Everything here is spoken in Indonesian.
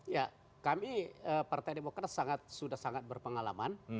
ya kami partai demokrat sudah sangat berpengalaman